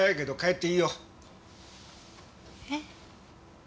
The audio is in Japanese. えっ？